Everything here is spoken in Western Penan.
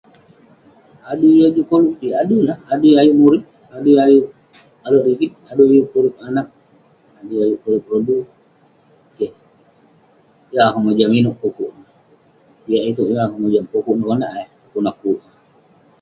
Adui yah juk koluk kik adui ayuk murip adui ayuk alek rigit ayuk purip anag adui ayuk purip rodu keh yeng akuek mojam ineuk yah ituek yeng akuek mojam dukuk neh konak eh kunan kuk